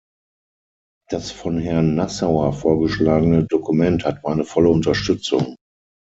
Das von Herrn Nassauer vorgeschlagene Dokument hat meine volle Unterstützung.